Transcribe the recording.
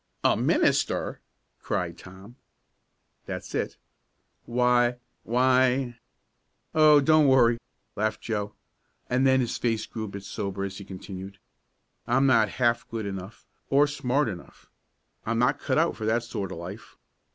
"A minister!" cried Tom. "That's it." "Why why " "Oh, don't worry!" laughed Joe, and then his face grew a bit sober as he continued: "I'm not half good enough or smart enough. I'm not cut out for that sort of life.